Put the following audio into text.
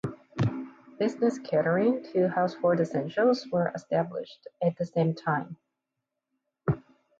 Businesses catering to household essentials were established at the same time.